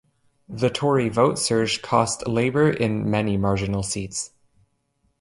The Tory vote surge cost Labour in many marginal seats.